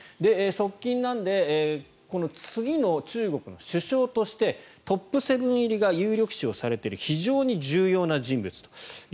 側近なので次の中国の首相としてトップ７入りが有力視をされている非常に重要な人物だと。